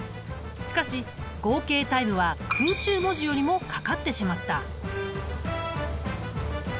しかし合計タイムは空中文字よりもかかってしまった。